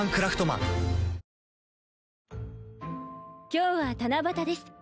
今日は七夕です。